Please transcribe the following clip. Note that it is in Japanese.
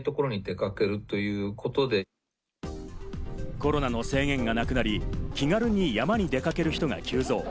コロナの制限がなくなり、気軽に山に出掛ける人が急増。